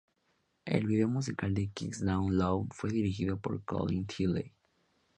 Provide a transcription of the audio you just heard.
El video musical de "Kisses Down Low" fue dirigido por Colin Tilley.